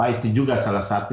itu juga salah satu